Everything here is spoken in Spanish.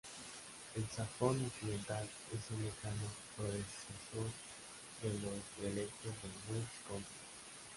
El sajón occidental es el lejano predecesor de los dialectos de West Country.